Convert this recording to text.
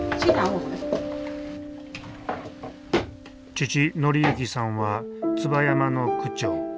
父紀幸さんは椿山の区長。